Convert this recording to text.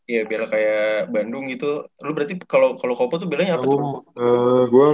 ya bela kayak bandung gitu lo berarti kalo kopo tuh belanya apa tuh